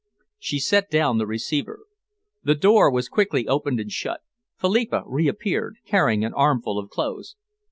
She set down the receiver. The door was quickly opened and shut. Philippa reappeared, carrying an armful of clothes.